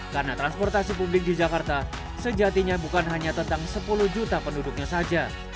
karena transportasi publik di jakarta sejatinya bukan hanya tentang sepuluh juta penduduknya saja